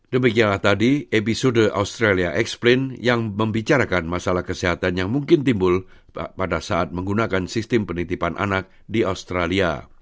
demikianlah tadi episode australia explin yang membicarakan masalah kesehatan yang mungkin timbul pada saat menggunakan sistem penitipan anak di australia